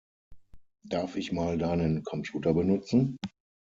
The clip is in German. Darf ich mal deinen Computer benutzen?